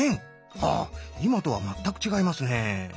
あ今とは全く違いますね。